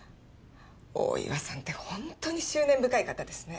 大岩さんって本当に執念深い方ですね。